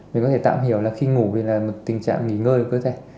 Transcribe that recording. mình có thể tạm hiểu là khi ngủ thì là một tình trạng nghỉ ngơi của cơ thể